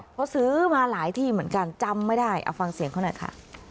เพราะซื้อมาหลายที่เหมือนกันจำไม่ได้เอาฟังเสียงเขาหน่อยค่ะ